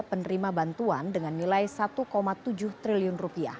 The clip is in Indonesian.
penerima bantuan dengan nilai rp satu tujuh triliun